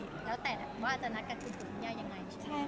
แล้วแต่ว่าจะนัดการคุณผู้คุณยานยังไงใช่ไหม